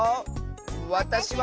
「わたしは」。